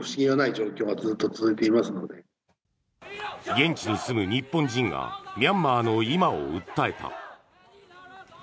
現地に住む日本人がミャンマーの今を訴えた。